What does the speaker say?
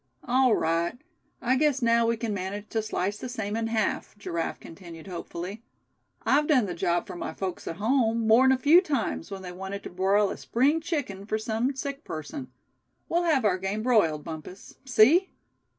"All right; I guess now we can manage to slice the same in half," Giraffe continued, hopefully. "I've done the job for my folks at home, more'n a few times, when they wanted to broil a Spring chicken for some sick person. We'll have our game broiled, Bumpus, see?"